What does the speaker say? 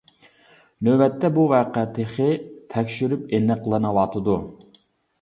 نۆۋەتتە، بۇ ۋەقە تېخى تەكشۈرۈپ ئېنىقلىنىۋاتىدۇ.